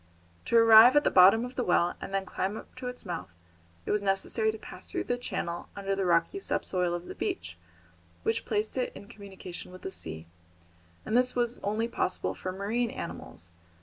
To arrive at the bottom of the well and then climb up to its mouth it was necessary to pass through the channel under the rocky sub soil of the beach, which placed it in communication with the sea, and this was only possible for marine animals.